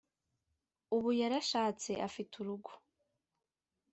ubu yarashatse afite urugo